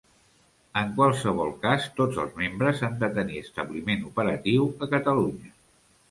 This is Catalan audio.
En qualsevol cas, tots els membres han de tenir establiment operatiu a Catalunya.